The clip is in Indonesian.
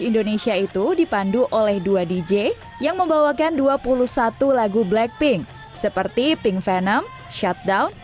indonesia itu dipandu oleh dua dj yang membawakan dua puluh satu lagu blackpink seperti pink venam shutdown